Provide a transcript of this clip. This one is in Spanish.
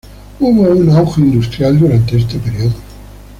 Hubo un auge industrial durante este periodo.